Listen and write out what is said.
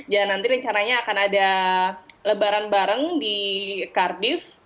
dan nanti rencananya akan ada lebaran bareng di cardiff